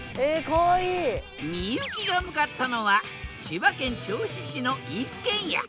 幸が向かったのは千葉県銚子市の一軒家。